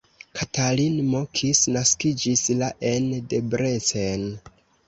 Katalin M. Kiss naskiĝis la en Debrecen.